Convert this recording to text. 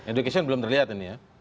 education belum terlihat ini ya